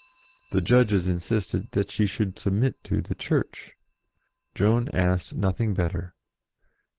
The Judges insisted that she should sub mit to the Church. Joan asked nothing better.